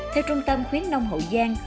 theo trung tâm khuyến nông hậu giang